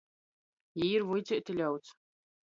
Jī ir vuiceiti ļauds.